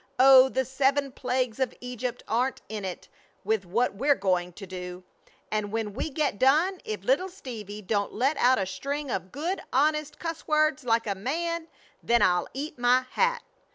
Oh, the seven plagues of Egypt aren't in it with what we're going to do; and when we get done if Little Stevie don't let out a string of good, honest cuss words like a man then I'll eat my hat.